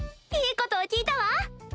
いいことを聞いたわ。